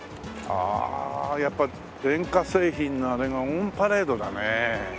はあやっぱ電化製品のあれがオンパレードだね。